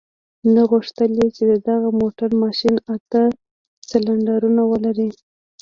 نو غوښتل يې چې د دغه موټر ماشين اته سلنډرونه ولري.